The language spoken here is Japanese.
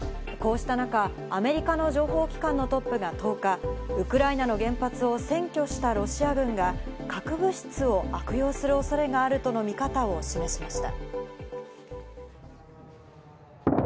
こうした中、アメリカの情報機関のトップが１０日、ウクライナの原発を占拠したロシア軍が核物質を悪用する恐れがあるとの見方を示しました。